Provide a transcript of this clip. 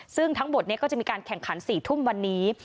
ซึ่งทั้งหมดนี้ก็จะมีการแข่งขัน๔ทุ่มวันนี้